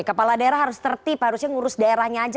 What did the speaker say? kepala daerah harus tertip harusnya ngurus daerahnya aja